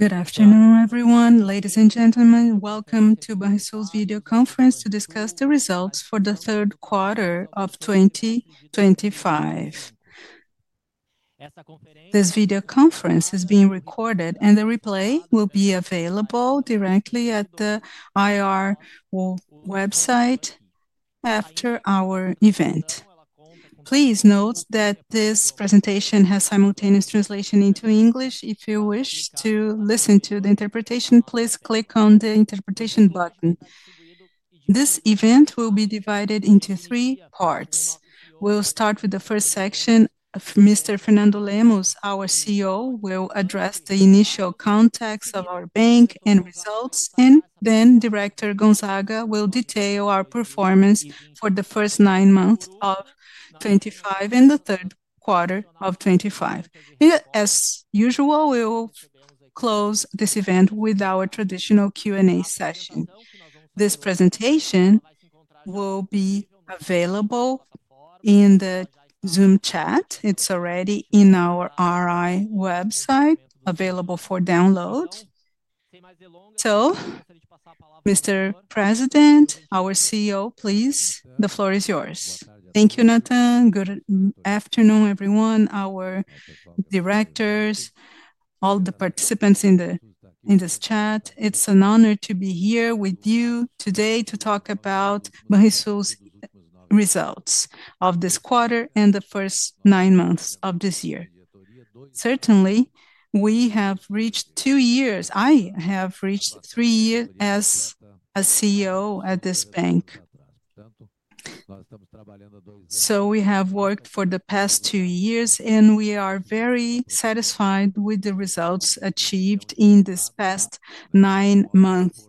Good afternoon, everyone. Ladies and gentlemen, welcome to Banrisul's video conference to discuss the results for the third quarter of 2025. Essa conferência. This video conference is being recorded, and the replay will be available directly at the IR website after our event. Please note that this presentation has simultaneous translation into English. If you wish to listen to the interpretation, please click on the interpretation button. This event will be divided into three parts. We will start with the first section. Mr. Fernando Lemos, our CEO, will address the initial context of our bank and results, and then Director Gonzaga will detail our performance for the first nine months of 2025 and the third quarter of 2025. As usual, we will close this event with our traditional Q&A session. This presentation will be available in the Zoom chat. It is already on our RI website, available for download. Mr. President, our CEO, please. The floor is yours. Thank you, Nathan. Good afternoon, everyone, our directors, all the participants in this chat. It's an honor to be here with you today to talk about Banrisul's results of this quarter and the first nine months of this year. Certainly, we have reached two years; I have reached three years as CEO at this bank. We have worked for the past two years, and we are very satisfied with the results achieved in this past nine months,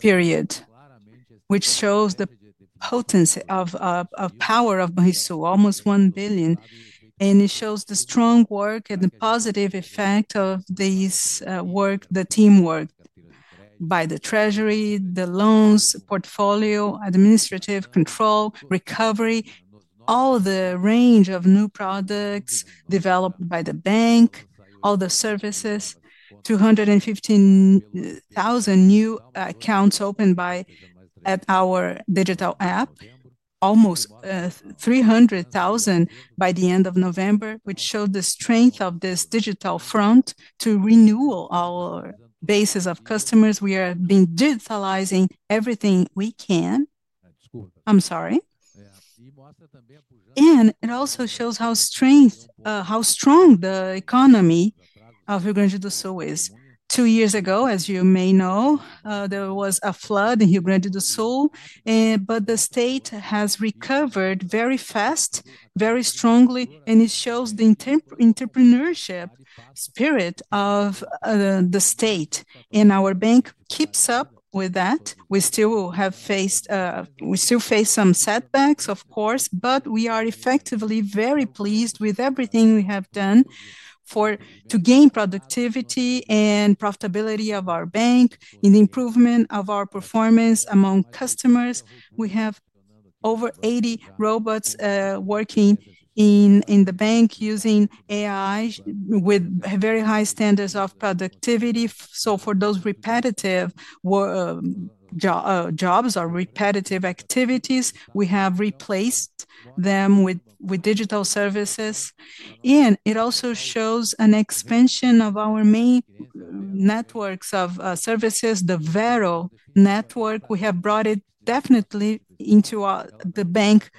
period. Which shows the potency of power of Banrisul, almost 1 billion, and it shows the strong work and the positive effect of this work, the teamwork by the treasury, the loans, portfolio, administrative control, recovery, all the range of new products developed by the bank, all the services, 215,000 new accounts opened by our digital app, almost 300,000 by the end of November, which showed the strength of this digital front to renew our bases of customers. We are digitalizing everything we can. I'm sorry. It also shows how strong the economy of Rio Grande do Sul is. Two years ago, as you may know, there was a flood in Rio Grande do Sul, but the state has recovered very fast, very strongly, and it shows the entrepreneurship spirit of the state, and our bank keeps up with that. We still have faced some setbacks, of course, but we are effectively very pleased with everything we have done to gain productivity and profitability of our bank, in the improvement of our performance among customers. We have over 80 robots working in the bank using AI with very high standards of productivity. For those repetitive jobs or repetitive activities, we have replaced them with digital services. It also shows an expansion of our main networks of services, the Vero Network. We have brought it definitely into the bank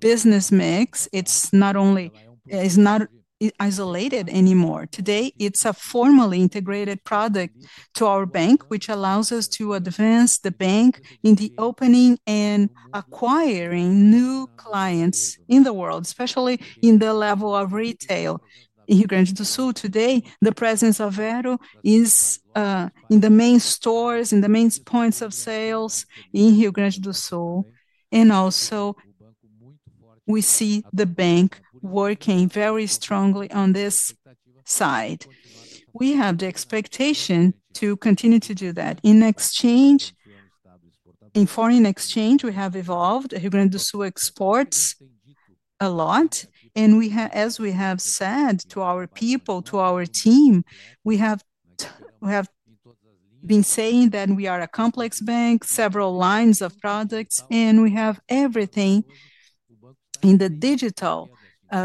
business mix. It's not only isolated anymore. Today, it's a formally integrated product to our bank, which allows us to advance the bank in the opening and acquiring new clients in the world, especially in the level of retail in Rio Grande do Sul. Today, the presence of Vero is in the main stores, in the main points of sales in Rio Grande do Sul. We see the bank working very strongly on this side. We have the expectation to continue to do that. In exchange, in foreign exchange, we have evolved. Rio Grande do Sul exports a lot, and as we have said to our people, to our team, we have been saying that we are a complex bank, several lines of products, and we have everything in the digital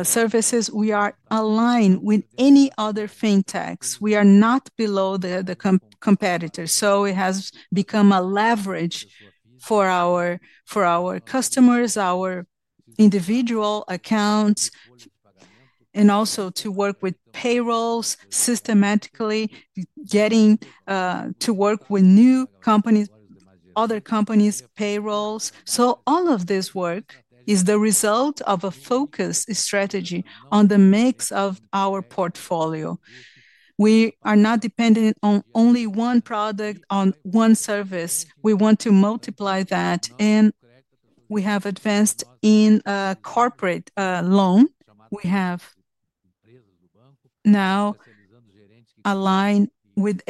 services. We are aligned with any other fintechs. We are not below the competitors. It has become a leverage for our customers, our individual accounts, and also to work with payrolls systematically, getting to work with new companies, other companies' payrolls. All of this work is the result of a focus strategy on the mix of our portfolio. We are not dependent on only one product, on one service. We want to multiply that, and we have advanced in corporate loan. We have now aligned with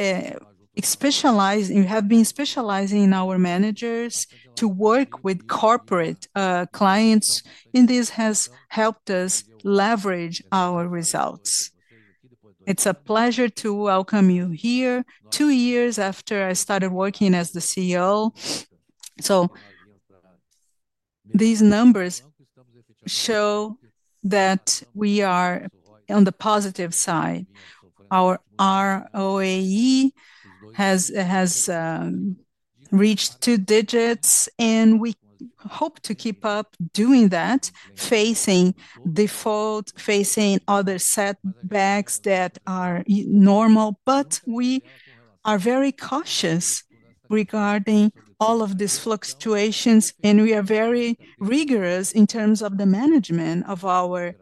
specialized, we have been specializing in our managers to work with corporate clients, and this has helped us leverage our results. It's a pleasure to welcome you here, two years after I started working as the CEO. These numbers show that we are on the positive side. Our ROAE has reached two digits, and we hope to keep up doing that, facing default, facing other setbacks that are normal, but we are very cautious regarding all of these fluctuations, and we are very rigorous in terms of the management of our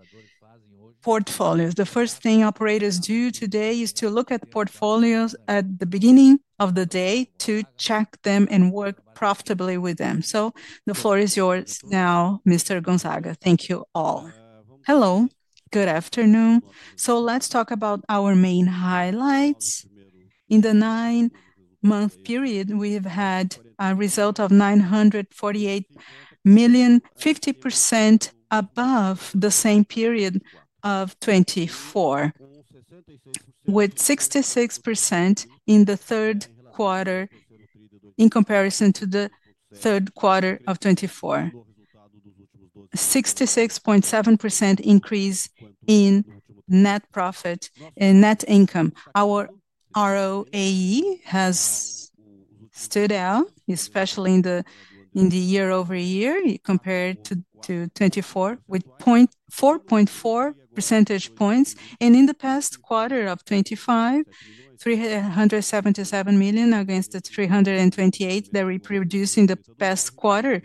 portfolios. The first thing operators do today is to look at portfolios at the beginning of the day to check them and work profitably with them. The floor is yours now, Mr. Gonzaga. Thank you all. Hello. Good afternoon. Let's talk about our main highlights. In the nine-month period, we have had a result of 948 million, 50% above the same period of 2024, with 66% in the third quarter in comparison to the third quarter of 2024. 66.7% increase in net profit and net income. Our ROAE has stood out, especially in the year-over-year compared to 2024, with 4.4 percentage points. In the past quarter of 2025, 377 million against the 328 million that we produced in the past quarter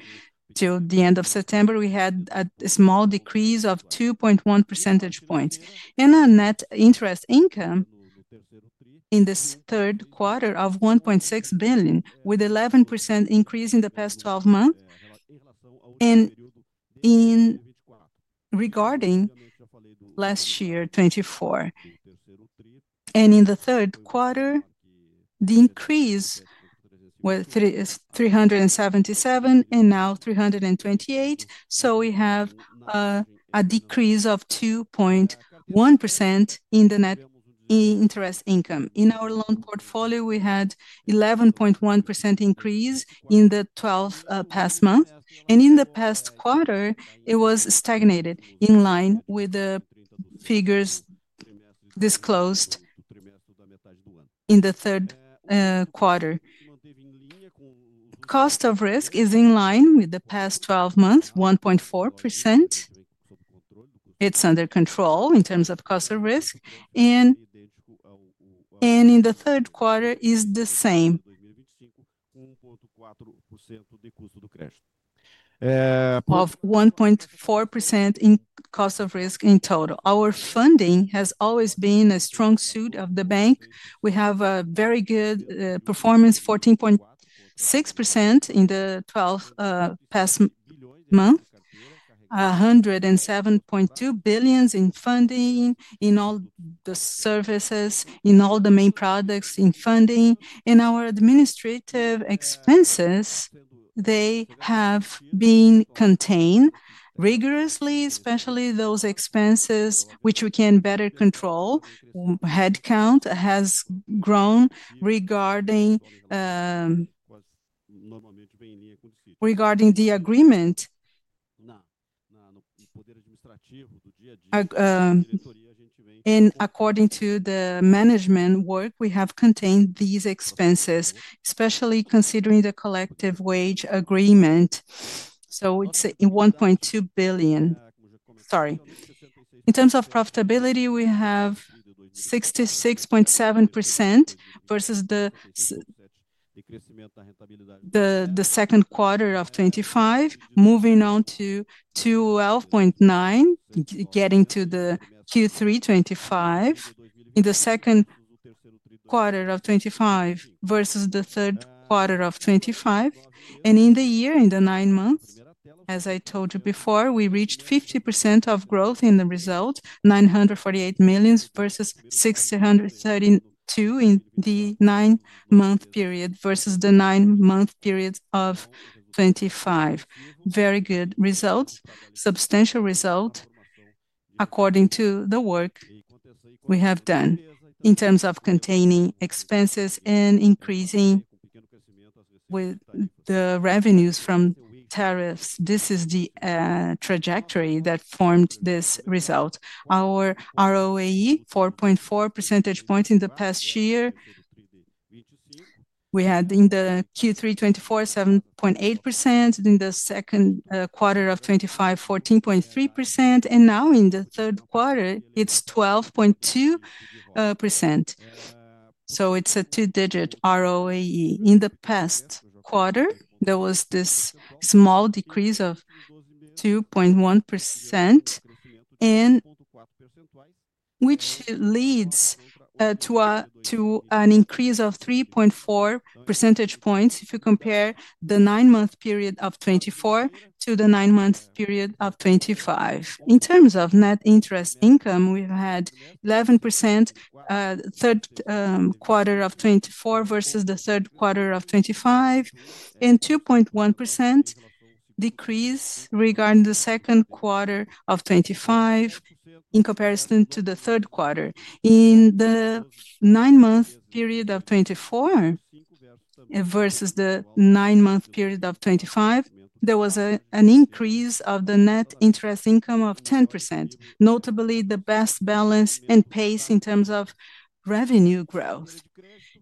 till the end of September, we had a small decrease of 2.1 percentage points. Our net interest income in this third quarter was 1.6 billion, with 11% increase in the past 12 months. Regarding last year, 2024, in the third quarter, the increase was 377 million and now 328 million. We have a decrease of 2.1% in the net interest income. In our loan portfolio, we had 11.1% increase in the past 12 months. In the past quarter, it was stagnated in line with the figures disclosed in the third quarter. Cost of risk is in line with the past 12 months, 1.4%. It is under control in terms of cost of risk. In the third quarter, it is the same, 1.4% in cost of risk in total. Our funding has always been a strong suit of the bank. We have a very good performance, 14.6% in the past 12 months, 107.2 billion in funding, in all the services, in all the main products in funding. Our administrative expenses have been contained rigorously, especially those expenses which we can better control. Headcount has grown regarding the agreement. According to the management work, we have contained these expenses, especially considering the collective wage agreement. It is 1.2 billion. Sorry. In terms of profitability, we have 66.7% versus the second quarter of 2025, moving on to 12.9, getting to the third quarter of 2025, in the second quarter of 2025 versus the third quarter of 2025. In the year, in the nine months, as I told you before, we reached 50% of growth in the result, 948 million versus 632 million in the nine-month period versus the nine-month period of 2025. Very good results, substantial result according to the work we have done in terms of containing expenses and increasing the revenues from tariffs. This is the trajectory that formed this result. Our ROAE, 4.4 percentage points in the past year. We had in the Q3 2024, 7.8%, in the second quarter of 2025, 14.3%, and now in the third quarter, it is 12.2%. It is a two-digit ROAE. In the past quarter, there was this small decrease of 2.1%, which leads to an increase of 3.4 percentage points if you compare the nine-month period of 2024 to the nine-month period of 2025. In terms of net interest income, we've had 11% third quarter of 2024 versus the third quarter of 2025, and 2.1% decrease regarding the second quarter of 2025 in comparison to the third quarter. In the nine-month period of 2024 versus the nine-month period of 2025, there was an increase of the net interest income of 10%, notably the best balance and pace in terms of revenue growth.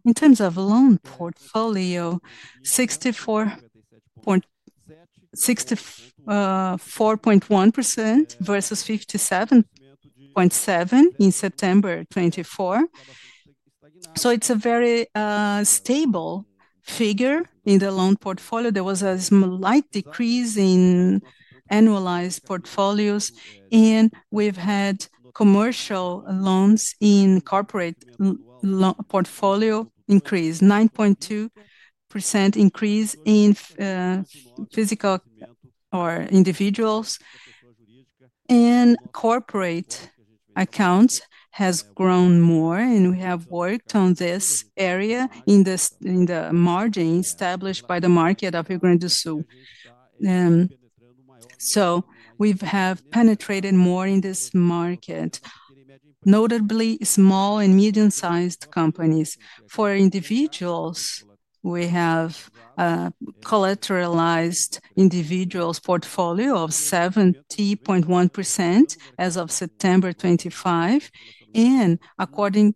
In terms of loan portfolio, 64.1% versus 57.7% in September 2024. It is a very stable figure in the loan portfolio. There was a slight decrease in annualized portfolios, and we've had commercial loans in corporate portfolio increase, 9.2% increase in physical or individuals. Corporate accounts have grown more, and we have worked on this area in the margin established by the market of Rio Grande do Sul. We have penetrated more in this market, notably small and medium-sized companies. For individuals, we have a collateralized individuals portfolio of 70.1% as of September 2025. According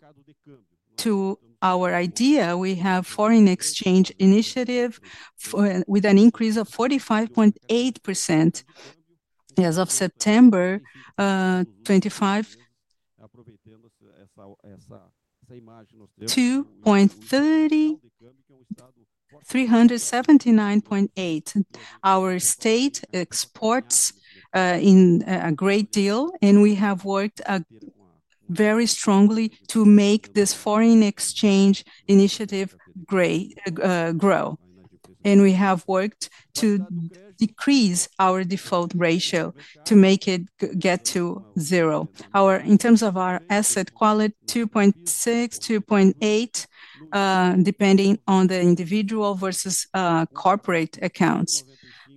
to our idea, we have a foreign exchange initiative with an increase of 45.8% as of September 2025, 2.39.8%. Our state exports a great deal, and we have worked very strongly to make this foreign exchange initiative grow. We have worked to decrease our default ratio to make it get to zero. In terms of our asset quality, 2.6, 2.8, depending on the individual versus corporate accounts.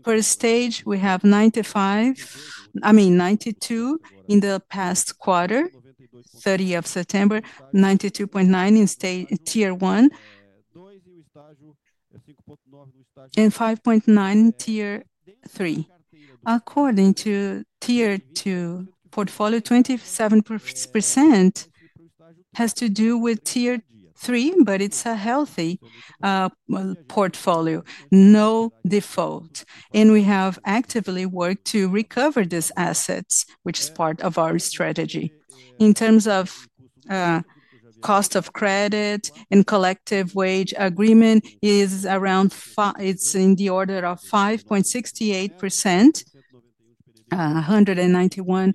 For a stage, we have 95, I mean, 92 in the past quarter, 30 of September, 92.9 in tier one, and 5.9 in tier three. According to tier two portfolio, 27% has to do with tier three, but it is a healthy portfolio, no default. We have actively worked to recover these assets, which is part of our strategy. In terms of cost of credit and collective wage agreement, it's around, it's in the order of 5.68%, 191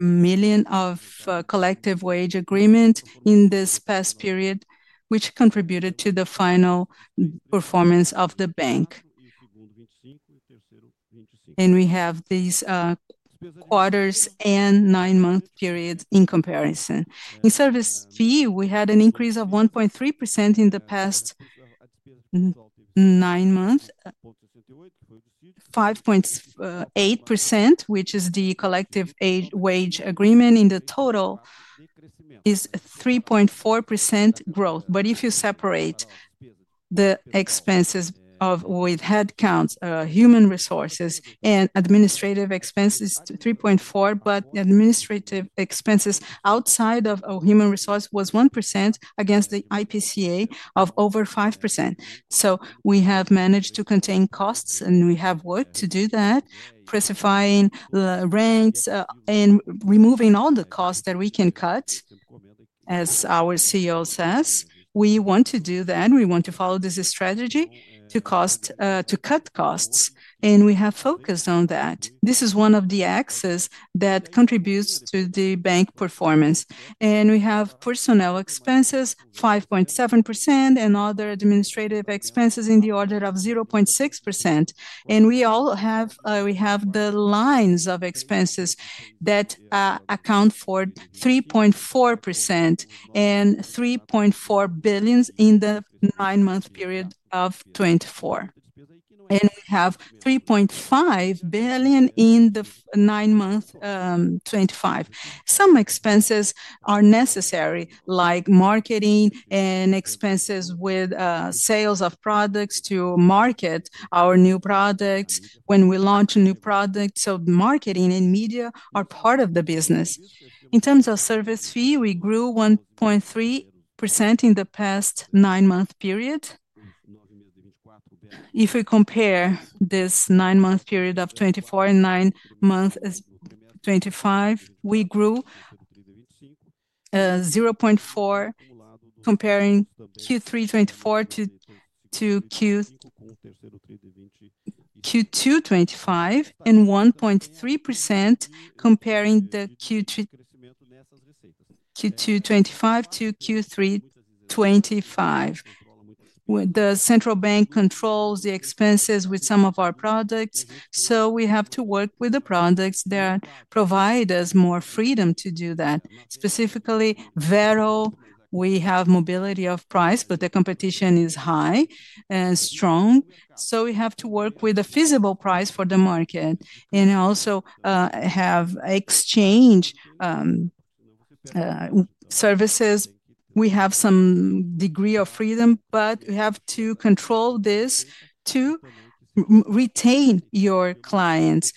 million of collective wage agreement in this past period, which contributed to the final performance of the bank. We have these quarters and nine-month periods in comparison. In service fee, we had an increase of 1.3% in the past nine months, 5.8%, which is the collective wage agreement. In the total, it is 3.4% growth. If you separate the expenses with headcounts, human resources, and administrative expenses, 3.4%, but administrative expenses outside of human resources was 1% against the IPCA of over 5%. We have managed to contain costs, and we have worked to do that, precifying ranks and removing all the costs that we can cut, as our CEO says. We want to do that. We want to follow this strategy to cut costs, and we have focused on that. This is one of the axes that contributes to the bank performance. We have personnel expenses, 5.7%, and other administrative expenses in the order of 0.6%. We also have the lines of expenses that account for 3.4% and 3.4 billion in the nine-month period of 2024. We have 3.5 billion in the nine-month 2025. Some expenses are necessary, like marketing and expenses with sales of products to market our new products when we launch a new product. Marketing and media are part of the business. In terms of service fee, we grew 1.3% in the past nine-month period. If we compare this nine-month period of 2024 and nine-month of 2025, we grew 0.4% comparing Q3 2024 to Q2 2025 and 1.3% comparing the Q2 2025 to Q3 2025. The central bank controls the expenses with some of our products, so we have to work with the products. They provide us more freedom to do that. Specifically, Vero, we have mobility of price, but the competition is high and strong. We have to work with a feasible price for the market and also have exchange services. We have some degree of freedom, but we have to control this to retain your clients.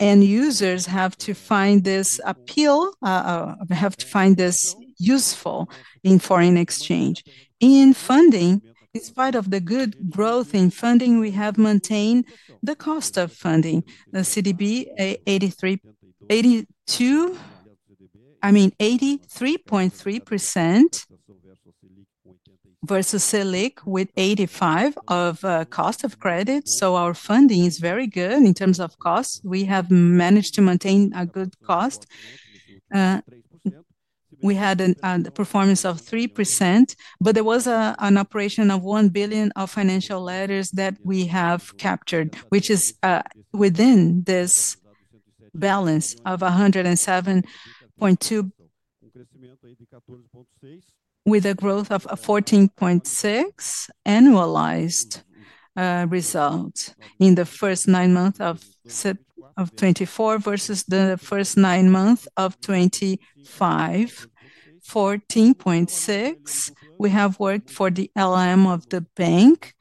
End users have to find this appeal, have to find this useful in foreign exchange. In funding, in spite of the good growth in funding, we have maintained the cost of funding, the CDB 82, I mean, 83.3% versus SELIC with 85% of cost of credit. Our funding is very good. In terms of cost, we have managed to maintain a good cost. We had a performance of 3%, but there was an operation of 1 billion of Financial Letters that we have captured, which is within this balance of 107.2 billion with a growth of 14.6% annualized result in the first nine months of 2024 versus the first nine months of 2025. 14.6%. We have worked for the LIM of the bank.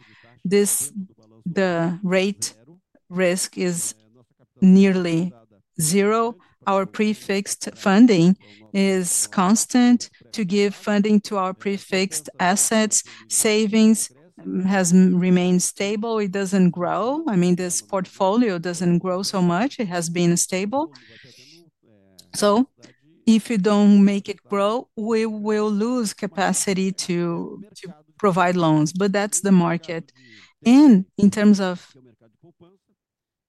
The rate risk is nearly zero. Our prefixed funding is constant to give funding to our prefixed assets. Savings has remained stable. It does not grow. I mean, this portfolio does not grow so much. It has been stable. If you do not make it grow, we will lose capacity to provide loans. That is the market. In terms of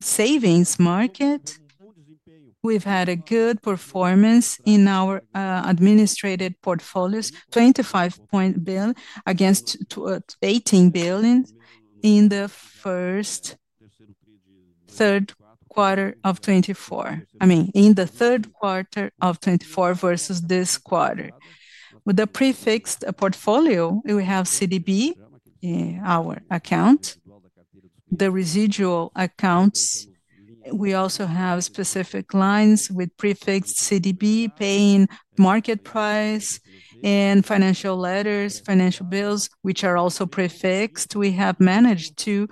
savings market, we have had a good performance in our administrative portfolios, 25 billion against 18 billion in the third quarter of 2024. I mean, in the third quarter of 2024 versus this quarter. With the prefixed portfolio, we have CDB, our account, the residual accounts. We also have specific lines with prefixed CDB, paying market price, and financial letters, financial bills, which are also prefixed. We have managed to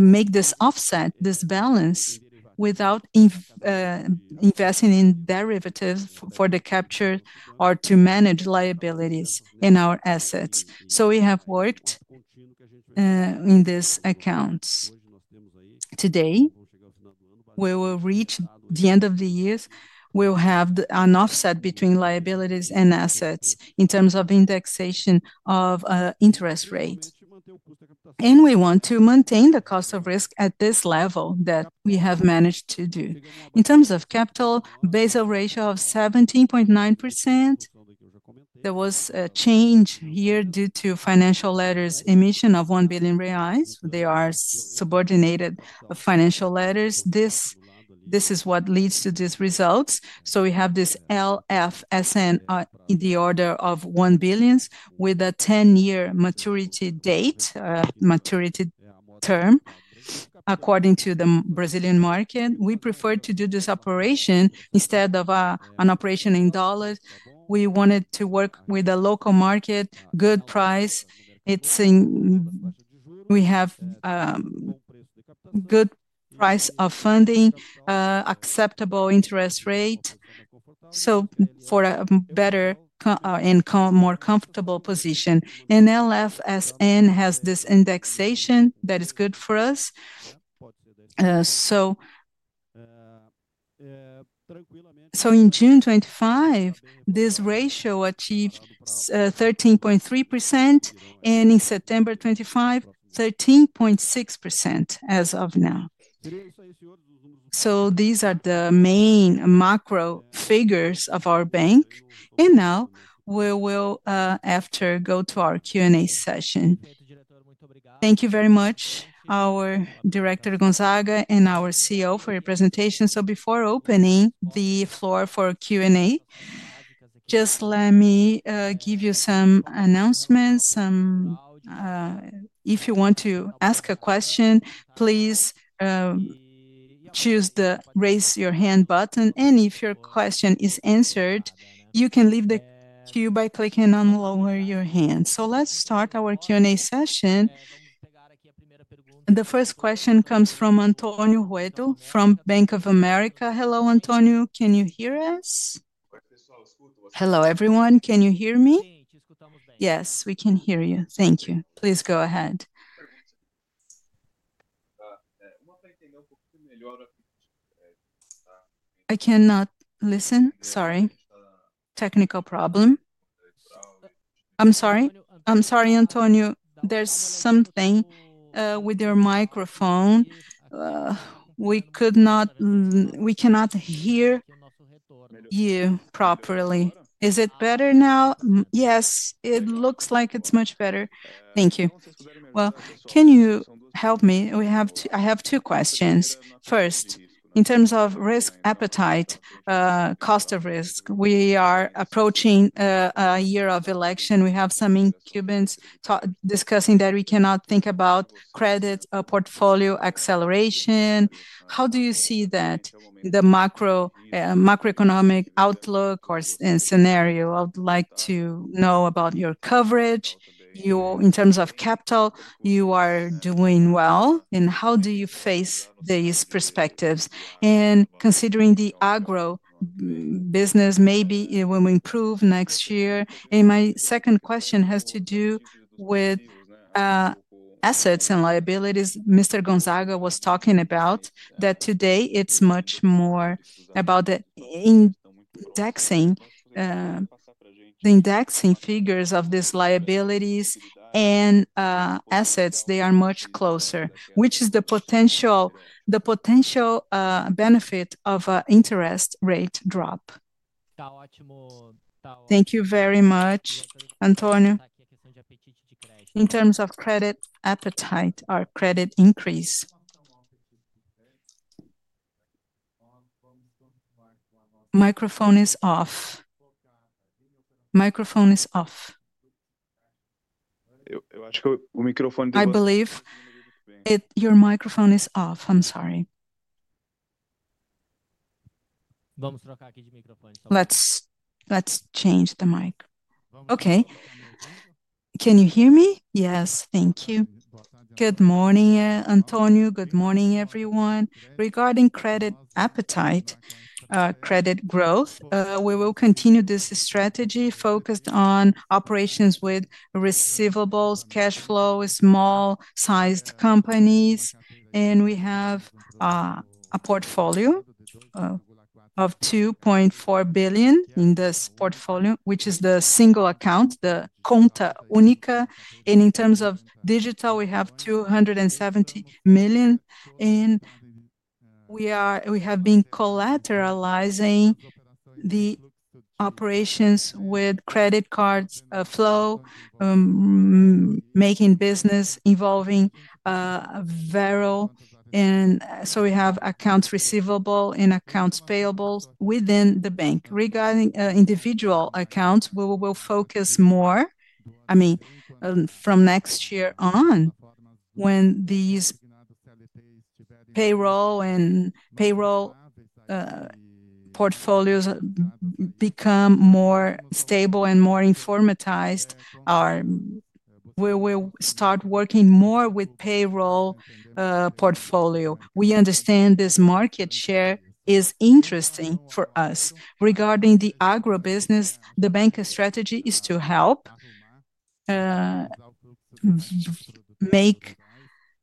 make this offset, this balance, without investing in derivatives for the capture or to manage liabilities in our assets. We have worked in these accounts. Today, we will reach the end of the year. We will have an offset between liabilities and assets in terms of indexation of interest rates. We want to maintain the cost of risk at this level that we have managed to do. In terms of capital, Basel ratio of 17.9%. There was a change here due to financial letters' emission of 1 billion reais. They are subordinated financial letters. This is what leads to these results. We have this LFSN in the order of 1 billion with a 10-year maturity date, maturity term, according to the Brazilian market. We prefer to do this operation instead of an operation in dollars. We wanted to work with a local market, good price. We have good price of funding, acceptable interest rate, for a better and more comfortable position. LFSN has this indexation that is good for us. In June 2025, this ratio achieved 13.3%, and in September 2025, 13.6% as of now. These are the main macro figures of our bank. Now we will, after, go to our Q&A session. Thank you very much, our Director Gonzaga and our CEO, for your presentation. Before opening the floor for Q&A, just let me give you some announcements. If you want to ask a question, please choose the raise your hand button. If your question is answered, you can leave the queue by clicking on lower your hand. Let's start our Q&A session. The first question comes from Antonio Huerto from Bank of America. Hello, Antonio. Can you hear us? Hello everyone. Can you hear me? Yes, we can hear you. Thank you. Please go ahead. I cannot listen. Sorry. Technical problem. I'm sorry. I'm sorry, Antonio. There's something with your microphone. We cannot hear you properly. Is it better now? Yes, it looks like it's much better. Thank you. Can you help me? I have two questions. First, in terms of risk appetite, cost of risk, we are approaching a year of election. We have some incumbents discussing that we cannot think about credit portfolio acceleration. How do you see that? The macroeconomic outlook or scenario, I'd like to know about your coverage. In terms of capital, you are doing well. How do you face these perspectives? Considering the agro business, maybe it will improve next year. My second question has to do with assets and liabilities. Mr. Gonzaga was talking about that today it is much more about the indexing figures of these liabilities and assets. They are much closer, which is the potential benefit of an interest rate drop. Thank you very much, Antonio. In terms of credit appetite or credit increase, microphone is off. I believe your microphone is off. I'm sorry. Let's change the mic. Okay. Can you hear me? Yes. Thank you. Good morning, Antonio. Good morning, everyone. Regarding credit appetite, credit growth, we will continue this strategy focused on operations with receivables, cash flow, small-sized companies. We have a portfolio of 2.4 billion in this portfolio, which is the single account, the Conta Única. In terms of digital, we have 270 million. We have been collateralizing the operations with credit card flow, making business involving Vero. We have accounts receivable and accounts payable within the bank. Regarding individual accounts, we will focus more, I mean, from next year on, when these payroll and payroll portfolios become more stable and more informatized, we will start working more with payroll portfolio. We understand this market share is interesting for us. Regarding the agribusiness, the bank's strategy is to help make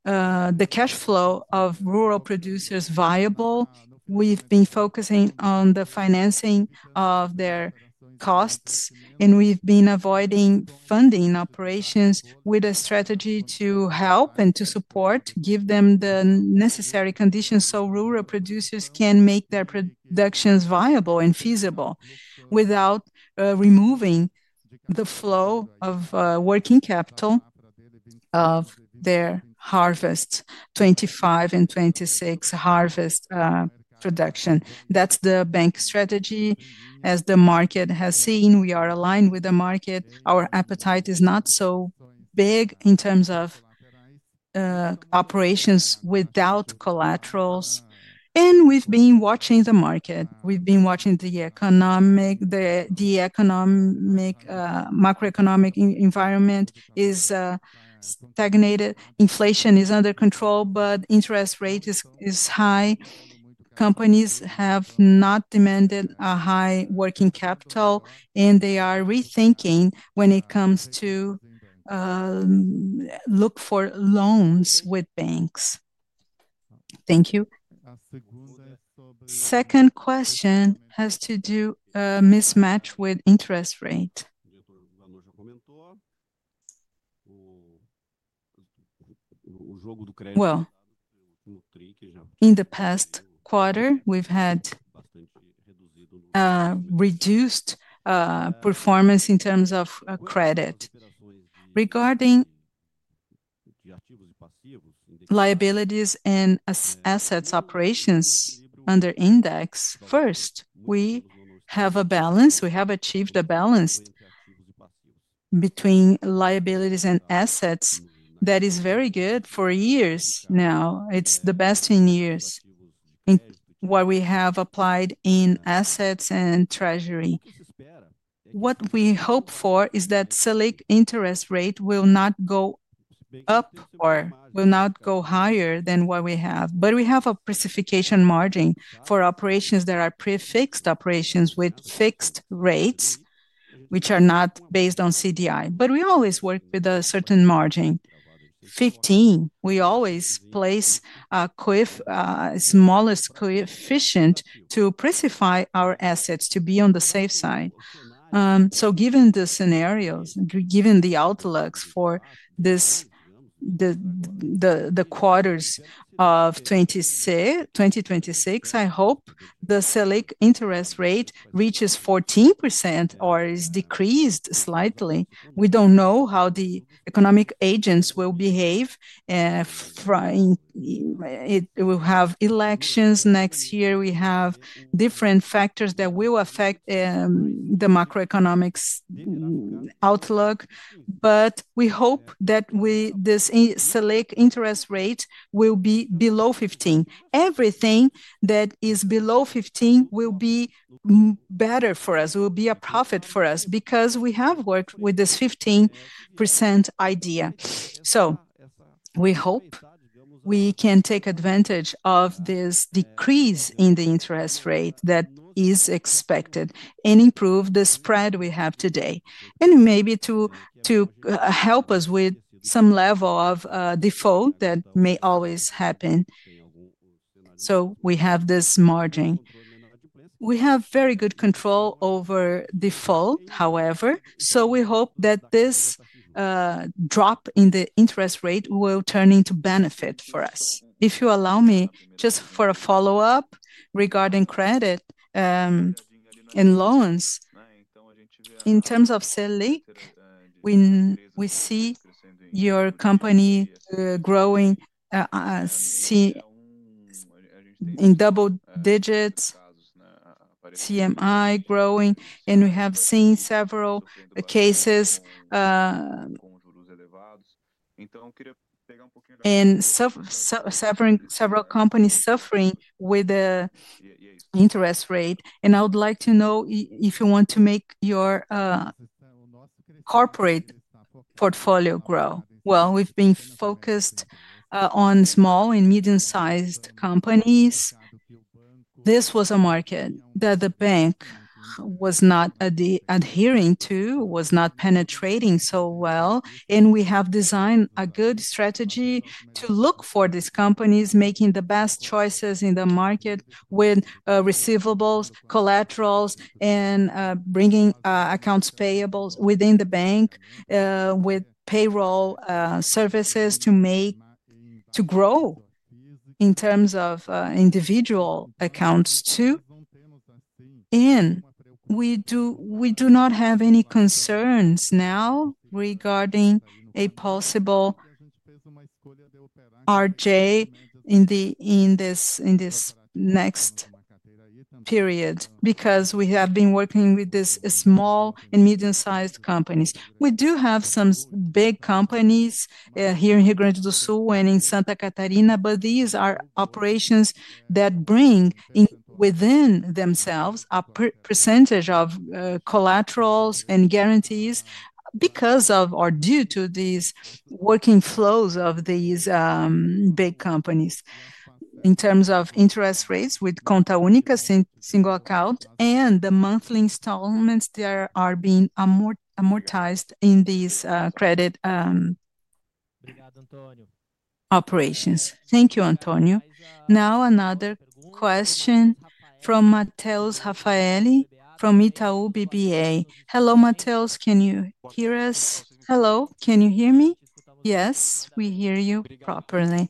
the cash flow of rural producers viable. We have been focusing on the financing of their costs, and we have been avoiding funding operations with a strategy to help and to support, give them the necessary conditions so rural producers can make their productions viable and feasible without removing the flow of working capital of their harvest, 2025 and 2026 harvest production. That's the bank strategy. As the market has seen, we are aligned with the market. Our appetite is not so big in terms of operations without collaterals. We have been watching the market. We have been watching the economic macroeconomic environment is stagnated. Inflation is under control, but interest rate is high. Companies have not demanded a high working capital, and they are rethinking when it comes to look for loans with banks. Thank you. Second question has to do with mismatch with interest rate. In the past quarter, we have had reduced performance in terms of credit. Regarding liabilities and assets operations under index, first, we have a balance. We have achieved a balance between liabilities and assets. That is very good for years now. It's the best in years. What we have applied in assets and treasury. What we hope for is that the SELIC interest rate will not go up or will not go higher than what we have. We have a precipitation margin for operations that are prefixed operations with fixed rates, which are not based on CDI. We always work with a certain margin, 15. We always place a smallest coefficient to precipitate our assets to be on the safe side. Given the scenarios, given the outlooks for the quarters of 2026, I hope the SELIC interest rate reaches 14% or is decreased slightly. We do not know how the economic agents will behave. It will have elections next year. We have different factors that will affect the macroeconomics outlook. We hope that this SELIC interest rate will be below 15. Everything that is below 15 will be better for us. It will be a profit for us because we have worked with this 15% idea. We hope we can take advantage of this decrease in the interest rate that is expected and improve the spread we have today. Maybe to help us with some level of default that may always happen. We have this margin. We have very good control over default, however. We hope that this drop in the interest rate will turn into benefit for us. If you allow me, just for a follow-up regarding credit and loans, in terms of SELIC, we see your company growing in double digits, CMI growing. We have seen several cases and several companies suffering with the interest rate. I would like to know if you want to make your corporate portfolio grow. We've been focused on small and medium-sized companies. This was a market that the bank was not adhering to, was not penetrating so well. We have designed a good strategy to look for these companies, making the best choices in the market with receivables, collaterals, and bringing accounts payables within the bank with payroll services to grow in terms of individual accounts too. We do not have any concerns now regarding a possible RJ in this next period because we have been working with these small and medium-sized companies. We do have some big companies here in Rio Grande do Sul and in Santa Catarina, but these are operations that bring within themselves a percentage of collaterals and guarantees because of or due to these working flows of these big companies. In terms of interest rates with Conta Única, single account, and the monthly installments that are being amortized in these credit operations. Thank you, Antonio. Now, another question from Matheus Rafaeli from Itaú BBA. Hello, Matheus. Can you hear us? Hello. Can you hear me? Yes, we hear you properly.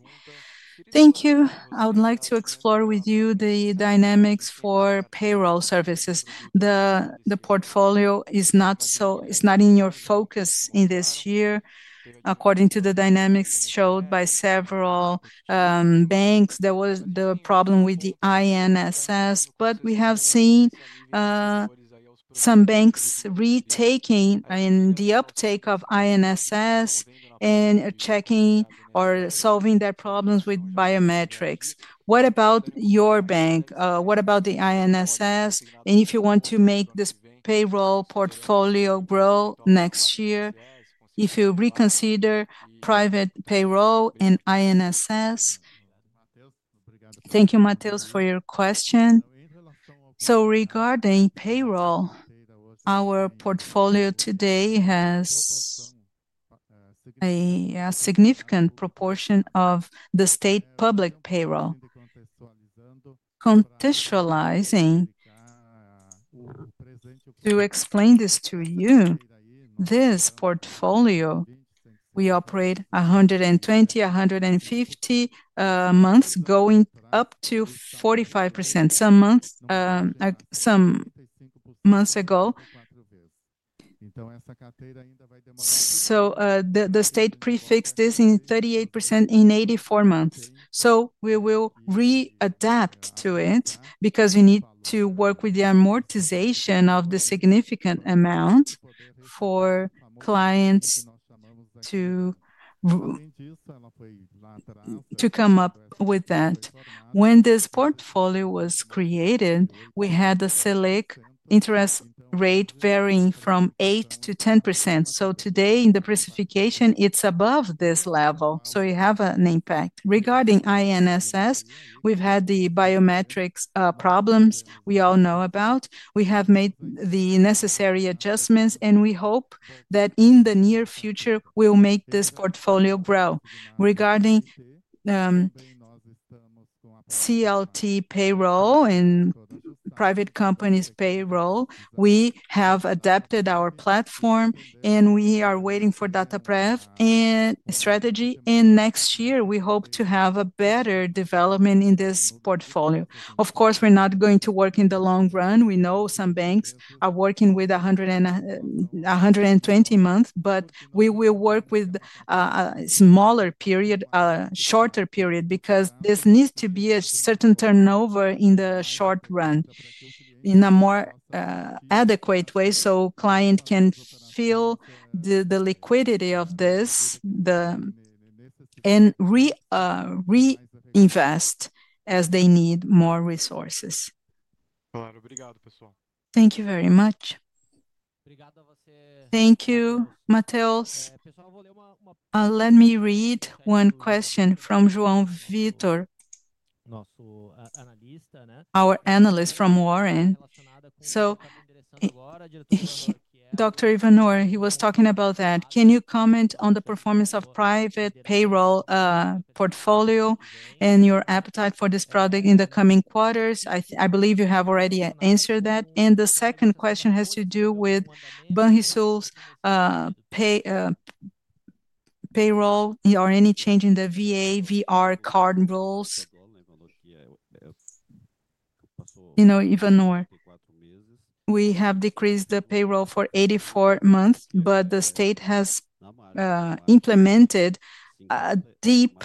Thank you. I would like to explore with you the dynamics for payroll services. The portfolio is not in your focus this year. According to the dynamics showed by several banks, there was the problem with the INSS, but we have seen some banks retaking the uptake of INSS and checking or solving their problems with biometrics. What about your bank? What about the INSS? And if you want to make this payroll portfolio grow next year, if you reconsider private payroll and INSS? Thank you, Matheus, for your question. Regarding payroll, our portfolio today has a significant proportion of the state public payroll. To explain this to you, this portfolio, we operate 120-150 months going up to 45%. Some months ago, the state prefixed this in 38% in 84 months. We will readapt to it because we need to work with the amortization of the significant amount for clients to come up with that. When this portfolio was created, we had the SELIC interest rate varying from 8% to 10%. Today, in the precipitation, it is above this level. You have an impact. Regarding INSS, we have had the biometrics problems we all know about. We have made the necessary adjustments, and we hope that in the near future, we will make this portfolio grow. Regarding CLT payroll and private companies' payroll, we have adapted our platform, and we are waiting for Dataprev and strategy. Next year, we hope to have a better development in this portfolio. Of course, we are not going to work in the long run. We know some banks are working with 120 months, but we will work with a smaller period, a shorter period, because this needs to be a certain turnover in the short run in a more adequate way so clients can feel the liquidity of this and reinvest as they need more resources. Thank you very much. Thank you, Matheus. Let me read one question from João Vitor, our analyst from Warren. Dr. Ivanor, he was talking about that. Can you comment on the performance of private payroll portfolio and your appetite for this product in the coming quarters? I believe you have already answered that. The second question has to do with Banrisul's payroll or any change in the VA VR card rules. You know, Ivanor, we have decreased the payroll for 84 months, but the state has implemented a deep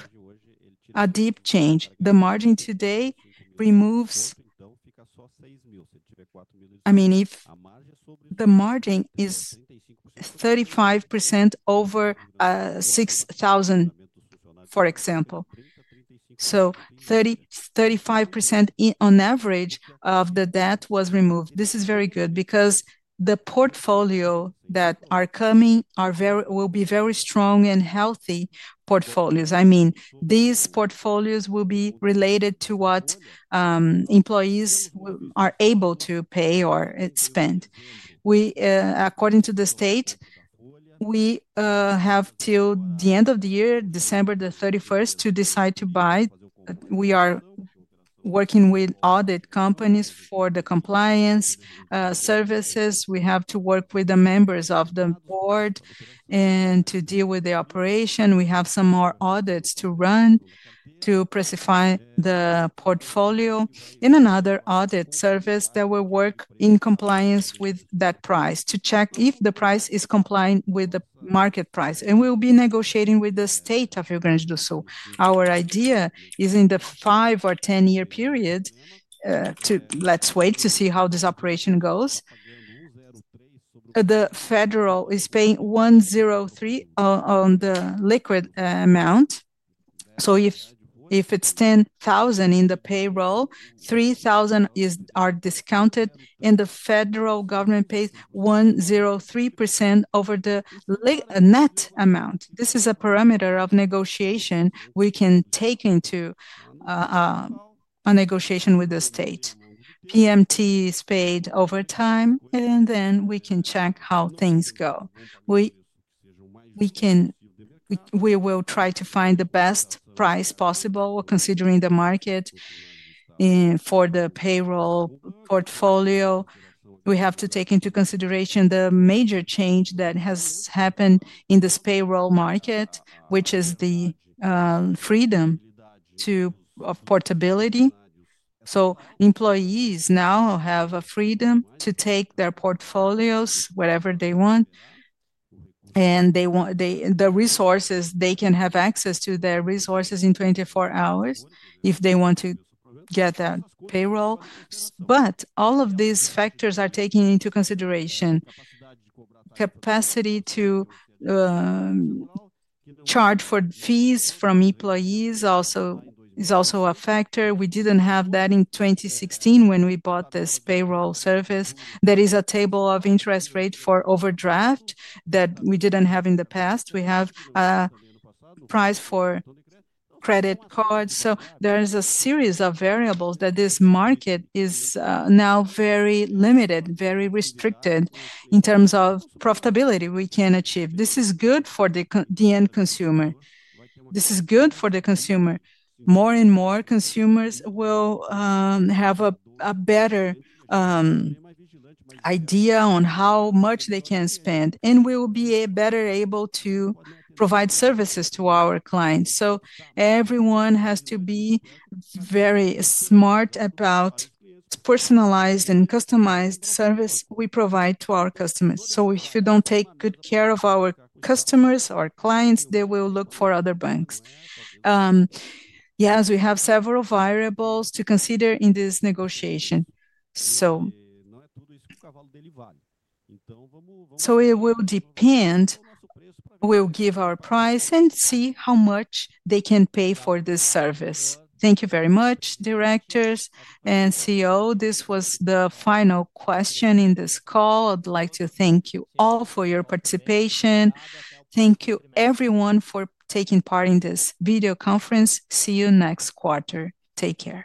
change. The margin today removes, I mean, if the margin is 35% over 6,000, for example. So 35% on average of the debt was removed. This is very good because the portfolios that are coming will be very strong and healthy portfolios. I mean, these portfolios will be related to what employees are able to pay or spend. According to the state, we have until the end of the year, December 31, to decide to buy. We are working with audit companies for the compliance services. We have to work with the members of the board and to deal with the operation. We have some more audits to run to precipitate the portfolio in another audit service that will work in compliance with that price to check if the price is compliant with the market price. We will be negotiating with the state of Rio Grande do Sul. Our idea is in the five or ten-year period to let's wait to see how this operation goes. The federal is paying 103% on the liquid amount. So if it's 10,000 in the payroll, 3,000 are discounted, and the federal government pays 103% over the net amount. This is a parameter of negotiation we can take into a negotiation with the state. PMT is paid over time, and then we can check how things go. We will try to find the best price possible considering the market for the payroll portfolio. We have to take into consideration the major change that has happened in this payroll market, which is the freedom of portability. Employees now have a freedom to take their portfolios, whatever they want, and the resources they can have access to their resources in 24 hours if they want to get that payroll. All of these factors are taken into consideration. Capacity to charge for fees from employees is also a factor. We did not have that in 2016 when we bought this payroll service. There is a table of interest rate for overdraft that we did not have in the past. We have a price for credit cards. There is a series of variables that this market is now very limited, very restricted in terms of profitability we can achieve. This is good for the end consumer. This is good for the consumer. More and more consumers will have a better idea on how much they can spend, and we will be better able to provide services to our clients. Everyone has to be very smart about personalized and customized service we provide to our customers. If you do not take good care of our customers or clients, they will look for other banks. Yes, we have several variables to consider in this negotiation. It will depend. We will give our price and see how much they can pay for this service. Thank you very much, directors and CEO. This was the final question in this call. I would like to thank you all for your participation. Thank you, everyone, for taking part in this video conference. See you next quarter. Take care.